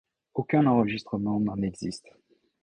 Aucun enregistrement n'en existe.